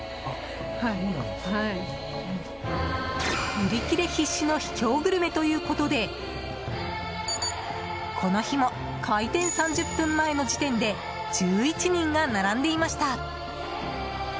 売り切れ必至の秘境グルメということでこの日も開店３０分前の時点で１１人が並んでいました。